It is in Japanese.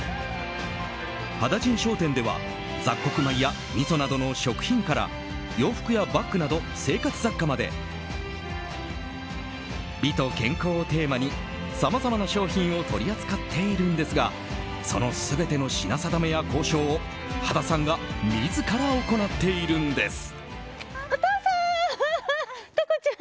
羽田甚商店では雑穀米やみそなどの食品から洋服やバッグなど、生活雑貨まで美と健康をテーマにさまざまな商品を取り扱っているんですがその全ての品定めや交渉を羽田さんが自ら行っているんです。